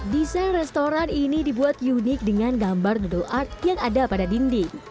desain restoran ini dibuat unik dengan gambar dodle art yang ada pada dinding